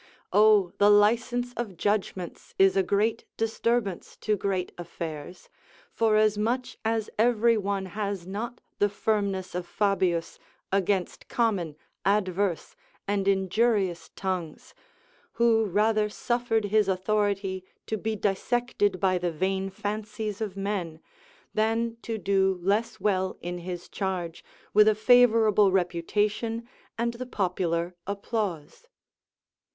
Oh, the license of judgments is a great disturbance to great affairs! forasmuch as every one has not the firmness of Fabius against common, adverse, and injurious tongues, who rather suffered his authority to be dissected by the vain fancies of men, than to do less well in his charge with a favourable reputation and the popular applause.